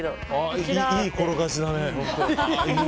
いい転がしだね。